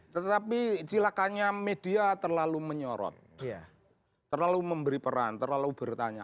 tetapi cilakannya media terlalu menyorot terlalu memberi peran terlalu bertanya